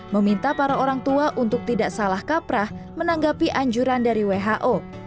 meminta para orang tua untuk tidak salah kaprah menanggapi anjuran dari who